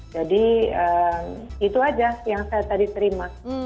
jadi itu aja yang saya tadi terima